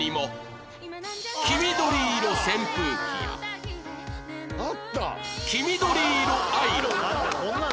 黄緑色扇風機や黄緑色アイロン